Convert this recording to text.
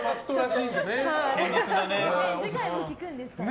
次回も聞くんですかね。